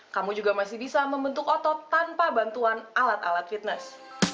kamu juga masih bisa membentuk otot tanpa bantuan alat alat fitness